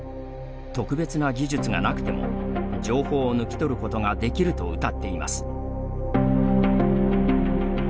特別な技術がなくても情報を抜き取ることができるとうたっています。